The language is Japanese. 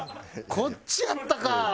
こっちやったか。